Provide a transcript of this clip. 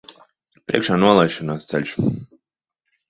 Priekšā nolaišanās ceļš.